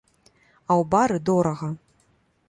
А ў бары дорага.